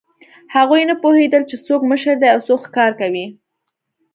هغوی نه پوهېدل، چې څوک مشر دی او څوک ښکار کوي.